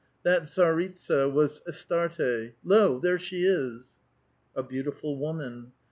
That tsaritsa was Astarte. Lo, there she is !" A beautiful woman.